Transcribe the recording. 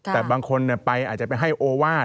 แต่บางคนไปอาจจะไปให้โอวาส